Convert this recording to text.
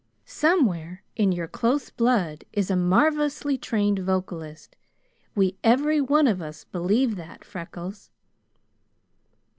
Somewhere in your close blood is a marvelously trained vocalist; we every one of us believe that, Freckles.